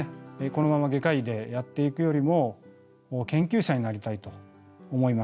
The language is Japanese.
このまま外科医でやっていくよりも研究者になりたいと思いました。